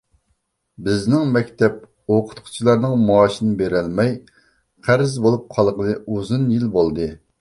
بىزنىڭ مەكتەپ ئوقۇتقۇچىلارنىڭ مائاشىنى بېرەلمەي، قەرز بولۇپ قالغىلى ئۇزۇن يىل بولدى.